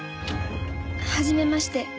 はじめまして。